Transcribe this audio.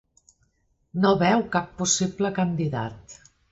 No veu cap possible candidat.